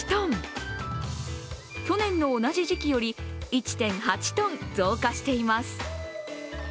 去年の同じ時期より１．８ｔ増加しています。